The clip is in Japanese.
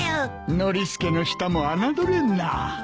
ノリスケの舌も侮れんな。